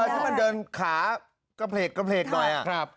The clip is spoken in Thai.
ที่มันเดินขากระเพลกหน่อย